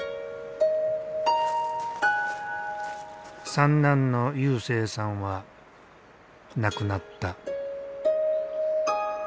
三男の勇征さんは亡くなった。